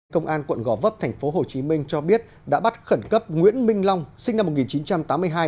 công an quận gò vấp tp hcm cho biết đã bắt khẩn cấp nguyễn minh long sinh năm một nghìn chín trăm tám mươi hai